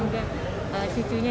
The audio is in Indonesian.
dan juga cucunya